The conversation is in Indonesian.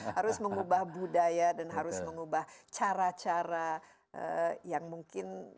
harus mengubah budaya dan harus mengubah cara cara yang mungkin